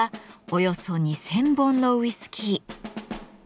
およそ２，０００本のウイスキー。